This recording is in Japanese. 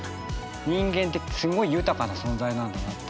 人間ってすごい豊かな存在なんだなって。